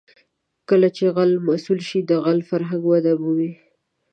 کله چې غل مسوول شي د غلا فرهنګ وده مومي.